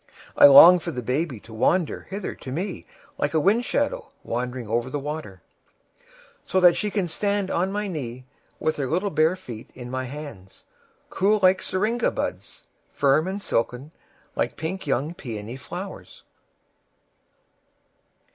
I long for the baby to wander hither to meLike a wind shadow wandering over the water, So that she can stand on my kneeWith her little bare feet in my hands, Cool like syringa buds, Firm and silken like pink young peony flowers.